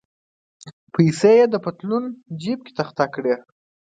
یې پیسې د پتلون جیب کې تخته کړې.